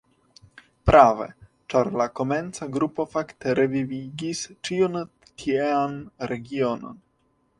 Prave, ĉar la komenca grupo fakte revivigis ĉiun tiean regionon.